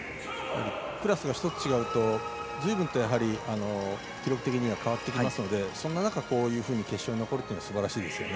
クラスが１つ違うとずいぶんと記録的には変わってきますのでその中、決勝に残るのはすばらしいですね。